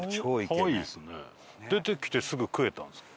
出てきてすぐ食えたんですか？